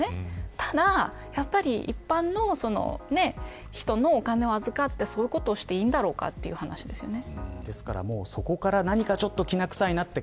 ただやっぱり、一般の人のお金を預かってそういうことをしていんだろうかという話ですよね。